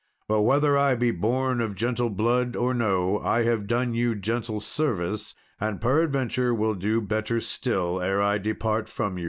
But whether I be born of gentle blood or no, I have done you gentle service, and peradventure will do better still, ere I depart from you."